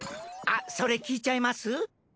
あっそれ聞いちゃいます？